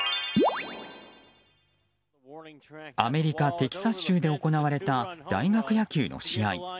アメリカ・テキサス州で行われた大学野球の試合。